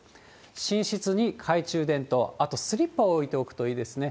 寝室に懐中電灯、あとスリッパを置いておくといいですね。